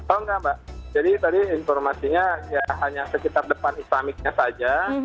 oh enggak mbak jadi tadi informasinya ya hanya sekitar depan islamicnya saja